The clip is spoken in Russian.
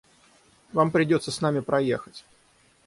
Вам придется с нами проехать.